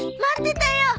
待ってたよ。